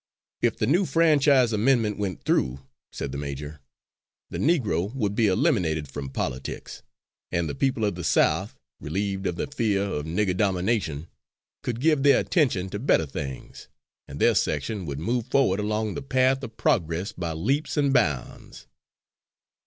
If the new franchise amendment went through, said the major, the Negro would be eliminated from politics, and the people of the South, relieved of the fear of "nigger domination," could give their attention to better things, and their section would move forward along the path of progress by leaps and bounds.